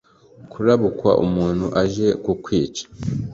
kurabukwa umuntu aje ku kwica